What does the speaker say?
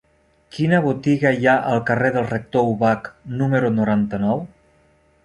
Quina botiga hi ha al carrer del Rector Ubach número noranta-nou?